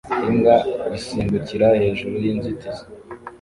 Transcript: Imbwa isimbukira hejuru y'inzitizi